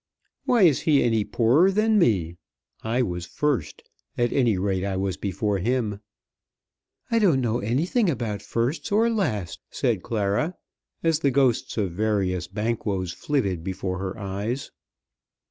"Why is he any poorer than me? I was first. At any rate I was before him." "I don't know anything about firsts or lasts," said Clara, as the ghosts of various Banquos flitted before her eyes.